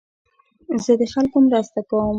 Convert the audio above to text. زه د خلکو مرسته کوم.